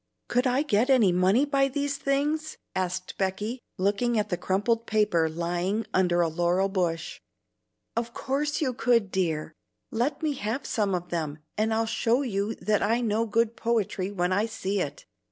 "Could I get any money by these things?" asked Becky, looking at the crumpled paper lying under a laurel bush. "Of course you could, dear! Let me have some of them, and I'll show you that I know good poetry when I see it.